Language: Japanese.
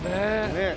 ねえ。